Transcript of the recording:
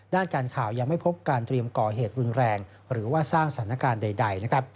ด้านการข่าวยังไม่พบการเตรียมก่อเหตุรุนแรงหรือว่าสร้างสถานการณ์ใด